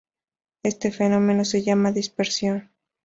Este fenómeno se llama dispersión.